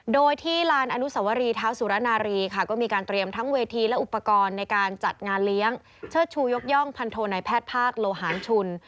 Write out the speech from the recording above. โดยที่ลานอนุสวรีเท้าสุรนารีค่ะก็มีการเตรียมทั้งเวทีและอุปกรณ์ในการจัดงานเลี้ยงเชิดชูยกย่องพันโทนายแพทย์ภาคโลหารชุน